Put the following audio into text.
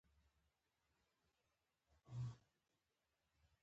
ویش په اقتصاد کې څه ته وايي؟